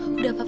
aku mau pergi